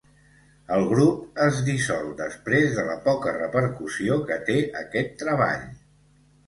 El grup es dissol després de la poca repercussió que té aquest treball.